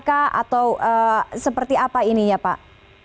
atau seperti apa ini ya pak